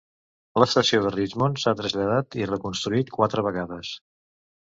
L"estació de Richmond s"ha traslladat i reconstruït quatre vegades.